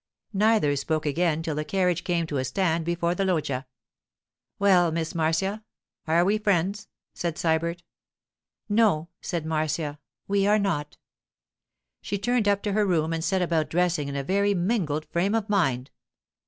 Neither spoke again till the carriage came to a stand before the loggia. 'Well, Miss Marcia, are we friends?' said Sybert. 'No,' said Marcia, 'we are not.' She turned up to her room and set about dressing in a very mingled frame of mind.